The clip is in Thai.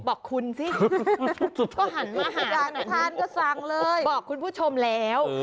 บอกคุณสิก็หันมาหันบอกคุณผู้ชมแล้ว